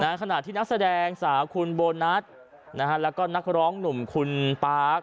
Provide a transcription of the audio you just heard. ขณะที่นักแสดงสาวคุณโบนัสนะฮะแล้วก็นักร้องหนุ่มคุณปาร์ค